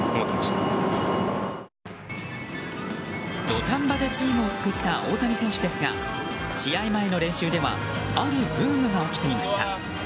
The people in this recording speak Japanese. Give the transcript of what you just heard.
土壇場でチームを救った大谷選手ですが試合前の練習ではあるブームが起きていました。